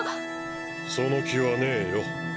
その気はねえよ。